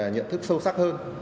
nhận thức sâu sắc hơn